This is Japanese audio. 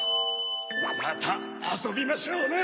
またあそびましょうね。